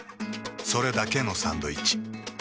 それだけのサンドイッチ。